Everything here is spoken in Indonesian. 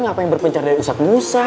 kenapa yang berpencar dari ustadz musa